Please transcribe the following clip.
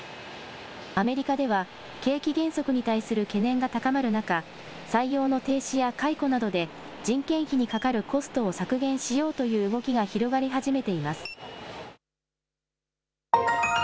アメリカでは景気減速に対する懸念が高まる中、採用の停止や解雇などで人件費にかかるコストを削減しようという動きが広がり始めています。